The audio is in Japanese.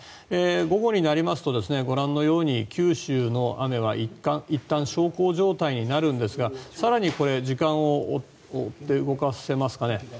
午後になりますとご覧のように九州の雨はいったん小康状態になるんですが更にこれ、時間を追って動かせますかね。